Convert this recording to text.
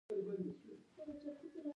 دا په پنځه او درې سوه میلادي کال کې و